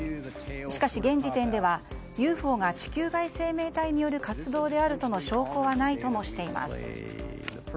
しかし現時点ではＵＦＯが地球外生命体による活動であるとの証拠はないともしています。